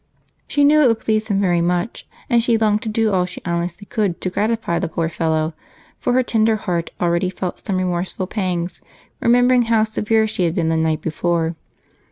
She knew it would please him very much and she longed to do all she honestly could to gratify the poor fellow, for her tender heart already felt some remorseful pangs, remembering how severe she had been the night before.